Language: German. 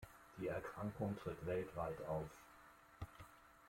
Die Erkrankung tritt weltweit auf.